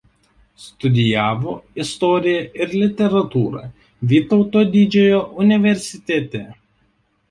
Studijavo istoriją ir literatūrą Vytauto Didžiojo universitete.